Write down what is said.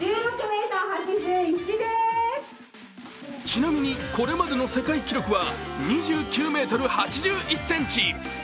ちなみにこれまでの世界記録は２９ｍ８１ｃｍ。